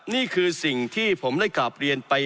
นี่คือสิ่งที่ผมได้กราบเรียนไป